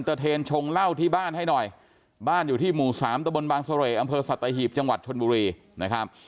เทนชงเหล้าที่บ้านให้หน่อยบ้านอยู่ที่หมู่สามตะบนบางเสร่อำเภอสัตหีบจังหวัดชนบุรีนะครับ